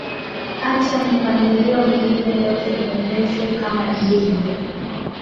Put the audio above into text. acha mipangilio mingine yote iendeshwe kama ilivyo